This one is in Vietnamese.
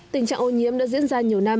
tình trạng ô nhiễm đã diễn ra nhiều lần